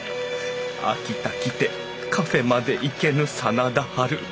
「秋田来てカフェまで行けぬ真田ハル」。